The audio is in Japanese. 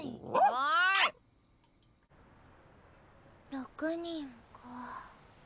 ６人かあ。